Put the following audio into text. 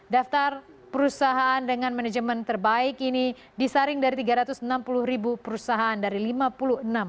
daftar perusahaan dengan manajemen terbaik ini disaring dari tiga ratus enam puluh ribu perusahaan dari lima puluh enam perusahaan